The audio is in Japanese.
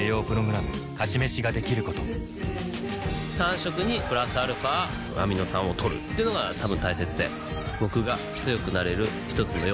「勝ち飯」ができること３食にプラスアルファアミノ酸をとるっていうのがたぶん大切で僕が強くなれる一つの要素だと思います